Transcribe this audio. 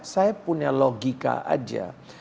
saya punya logika aja